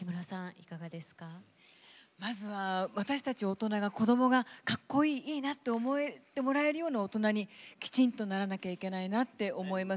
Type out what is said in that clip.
まずは、私たち大人が子どもが、かっこいい！いいな！って思ってもらえるような大人にきちんとならなきゃいけないなと思います。